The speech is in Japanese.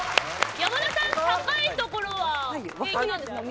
山田さん高いところは平気なんですか。